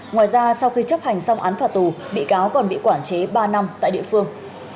ngoài ra sau khi chấp hành xong án phạt tù bị cáo còn bị quản chế ba năm tại địa phương